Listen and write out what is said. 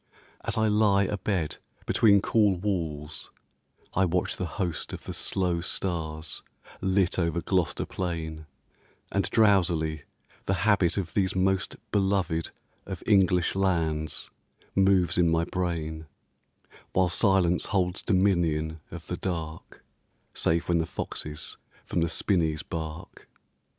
As I lie Abed between cool walls I watch the host Of the slow stars lit over Gloucester plain, And drowsily the habit of these most Beloved of English lands moves in my brain, While silence holds dominion of the dark, Save when the foxes from the spinneys bark.